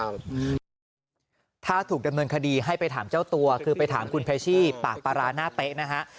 ถ้าถูกดำเนินคดีให้ไปถามเจ้าตัวคือไปถามคุณเพชชี่ปากปลาร้าหน้าเต๊ะนะฮะ